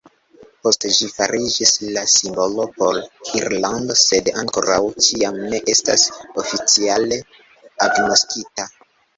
Poste ĝi fariĝis la simbolo por Irlando, sed ankoraŭ ĉiam ne estas oficiale agnoskita.